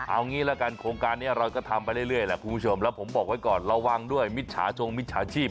เอางี้ละกันโครงการนี้เราก็ทำไปเรื่อยแหละคุณผู้ชมแล้วผมบอกไว้ก่อนระวังด้วยมิจฉาชงมิจฉาชีพ